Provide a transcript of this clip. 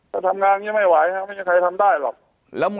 ทำงานอย่างงี้ไม่ไหวฮะไม่มีใครทำได้หรอกแล้วมุ